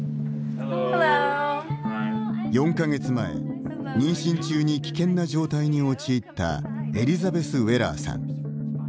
４か月前、妊娠中に危険な状態に陥ったエリザベス・ウェラーさん。